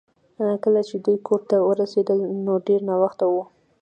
کله چې دوی کور ته ورسیدل نو ډیر ناوخته و